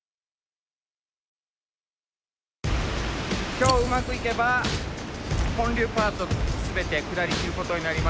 今日うまくいけば本流パート全て下り切ることになります。